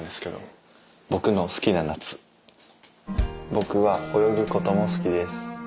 「ぼくは泳ぐこともすきです。